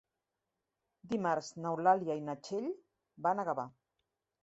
Dimarts n'Eulàlia i na Txell van a Gavà.